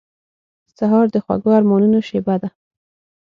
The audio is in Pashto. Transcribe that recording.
سهار د خوږو ارمانونو شېبه ده.